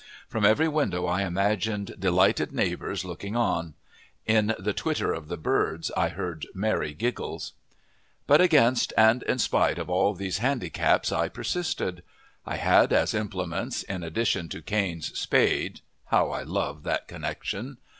From every window I imagined delighted neighbors looking on; in the twitter of the birds I heard merry giggles. But against and in spite of all these handicaps I persisted. I had as implements, in addition to Cain's spade how I love that connection!